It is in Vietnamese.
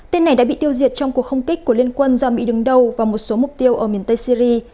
tên này đã bị tiêu diệt trong cuộc không kích của liên quân do mỹ đứng đầu và một số mục tiêu ở miền tây syri